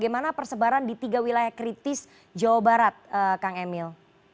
bagaimana persebaran di tiga wilayah kritis jawa barat kang emil